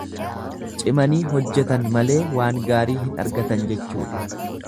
Cimanii hojjetan malee waan gaarii hin argatan jechuudha.